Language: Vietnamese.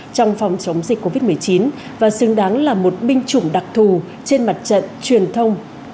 trong phòng chống dịch covid một mươi chín và xứng đáng là một binh chủng đặc thù trên mặt trận truyền thông